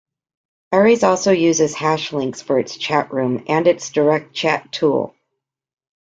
Ares also uses hashlinks for its chatrooms and its direct chat tool.